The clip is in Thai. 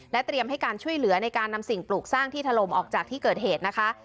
เตรียมให้การช่วยเหลือในการนำสิ่งปลูกสร้างที่ถล่มออกจากที่เกิดเหตุนะคะ